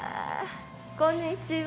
こんにちは。